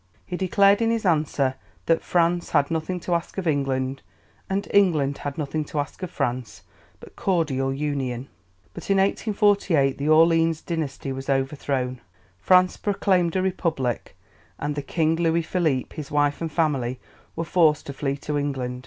He declared in his answer that "France has nothing to ask of England, and England has nothing to ask of France, but cordial union." But in 1848 the Orleans dynasty was overthrown, France proclaimed a republic, and King Louis Philippe, his wife and family were forced to flee to England.